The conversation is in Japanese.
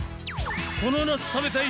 この夏食べたい！